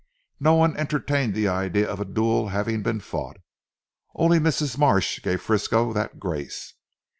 No one entertained the idea of a duel having been fought. Only Mrs. Marsh gave Frisco that grace.